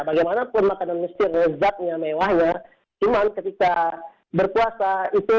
bagaimanapun makanan mesir lezatnya mewahnya cuman ketika berpuasa itu